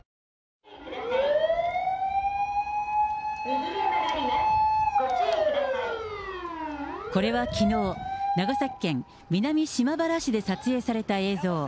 今のところ、これはきのう、長崎県南島原市で撮影された映像。